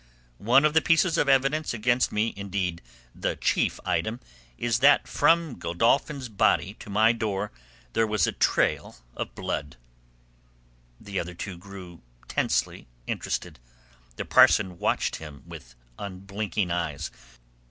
One of the pieces of evidence against me—indeed the chief item—is that from Godolphin's body to my door there was a trail of blood." The other two grew tensely interested. The parson watched him with unblinking eyes.